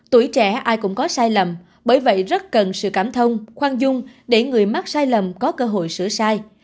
tuổi trẻ ai cũng có sai lầm bởi vậy rất cần sự cảm thông khoan dung để người mắc sai lầm có cơ hội sửa sai